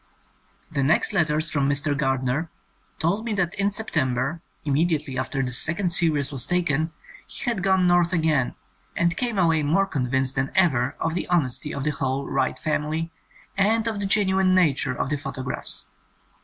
The next letters from Mr. Gardner told me that in September, immediately after this second series was taken, he had gone north again, and came away more convinced than ever of the honesty of the whole Wright family and of the genuine nature of the pho tographs.